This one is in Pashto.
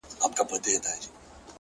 وخت د ژمنتیا رښتینولی ازموي